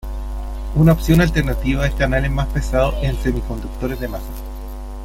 Una opción alternativa es canales más pesados en semiconductores de masas.